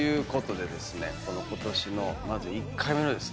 ことしのまず１回目のですね